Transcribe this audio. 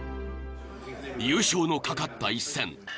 ［優勝の懸かった一戦］